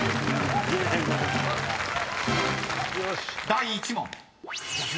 ［第１問］